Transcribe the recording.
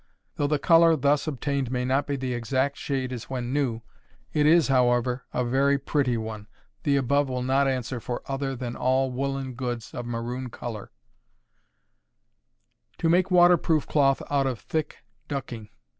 Though the color thus obtained may not be the exact shade as when new, it is, however, a very pretty one. The above will not answer for other than all woolen goods of a maroon color. _To make Waterproof Cloth out of thick Ducking.